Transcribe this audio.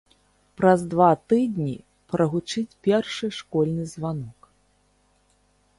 Праз два тыдні прагучыць першы школьны званок.